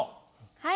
はい！